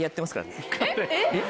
えっ？